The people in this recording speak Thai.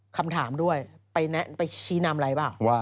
คำถามด้วยไปชี้นำอะไรเปล่า